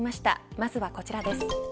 まずはこちらです。